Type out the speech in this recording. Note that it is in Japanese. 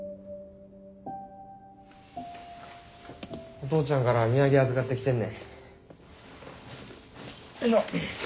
お父ちゃんから土産預かってきてんねん。